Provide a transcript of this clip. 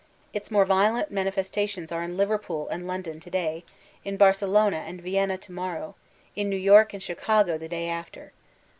Its more violent manifestations are in Liverpool and London to day, in Barcelona tod Vienna to morrow, in New York and Chicago the day after.